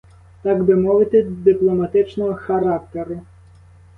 Так би мовити, дипломатичного характеру.